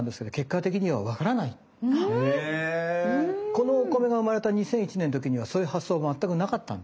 このお米が生まれた２００１年の時にはそういう発想が全くなかったんですね。